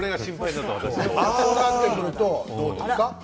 そうなるとどうですか？